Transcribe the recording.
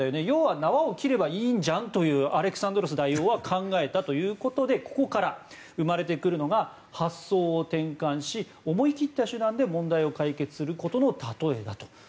要は縄を切ればいいんじゃんというアレクサンドロス大王は考えたということでここから生まれてくるのが発想を転換し、思い切った手段で問題を解決する事の例えだと。